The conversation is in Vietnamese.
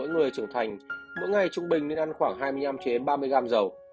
mỗi người trưởng thành mỗi ngày trung bình nên ăn khoảng hai mươi năm ba mươi gram dầu